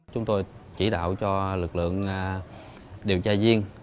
chúng tôi chỉ đạo cho lực lượng điều tra viên